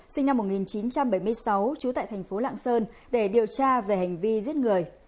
sinh năm một nghìn chín trăm bảy mươi sáu trú tại thành phố lạng sơn để điều tra về hành vi giết người